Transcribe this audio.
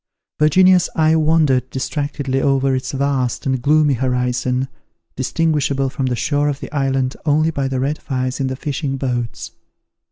Virginia's eye wandered distractedly over its vast and gloomy horizon, distinguishable from the shore of the island only by the red fires in the fishing boats.